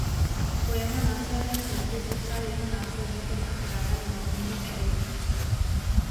Po jeho násilné smrti se stal jeho následníkem a králem Horního Egypta.